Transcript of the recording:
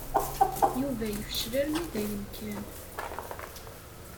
Yuba yefcel armi d ayen kan.